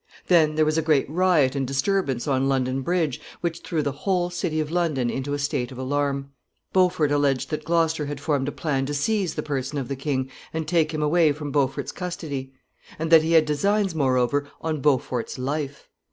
Then there was a great riot and disturbance on London Bridge, which threw the whole city of London into a state of alarm. Beaufort alleged that Gloucester had formed a plan to seize the person of the king and take him away from Beaufort's custody; and that he had designs, moreover, on Beaufort's life.